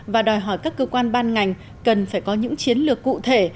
và đòi hỏi các cơ quan ban ngành cần phải có những chiến lược cụ thể